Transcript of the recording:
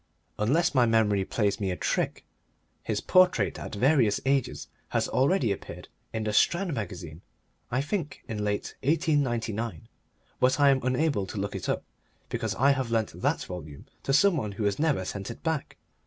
Unless my memory plays me a trick, his portrait at various ages has already appeared in The Strand Magazine I think late in 1899; but I am unable to look it up because I have lent that volume to some one who has never sent it back.